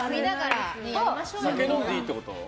酒飲んでいいってこと？